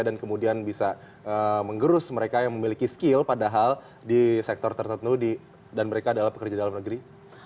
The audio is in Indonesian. dan kemudian bisa mengerus mereka yang memiliki skill padahal di sektor tertentu dan mereka adalah pekerja dalam negeri